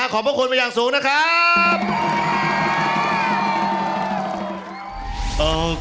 กล่องต้องขอบพระคุณมาอย่างสูงนะครับ